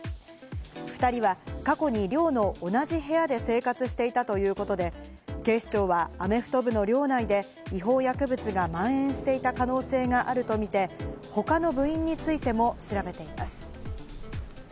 ２人は過去に寮の同じ部屋で生活していたということで、警視庁はアメフト部の寮内で違法薬物がまん延していた可能性があるとみて他の部員についても調べています。